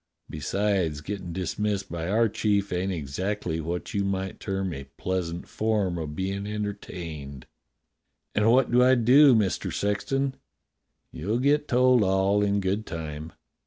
Besides, gettin' dismissed by our chief ain't exactly what you might term a pleasant form of bein' entertained." "And what do I do. Mister Sexton.?" "You'll get told all in good time."